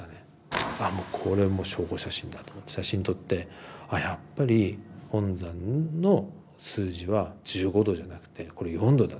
「あもうこれもう証拠写真だ」と思って写真撮って「あやっぱり本山の数字は１５°じゃなくてこれ４°だ。